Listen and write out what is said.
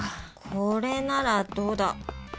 これならどうだ。